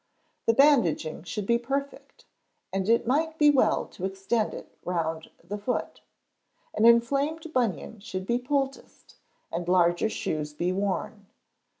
The bandaging should be perfect, and it might be well to extend it round the foot. An inflamed bunion should be poulticed, and larger shoes be worn.